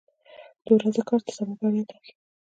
• د ورځې کار د سبا بریا ټاکي.